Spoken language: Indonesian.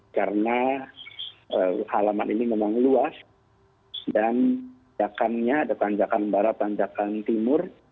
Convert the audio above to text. karena halaman ini memang luas dan jangkangnya ada panjang barat panjang timur